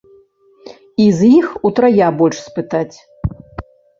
І з іх утрая больш спытаць.